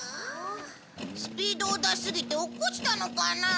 スピードを出しすぎて落っこちたのかな？